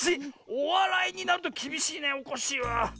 おわらいになるときびしいねおこっしぃは。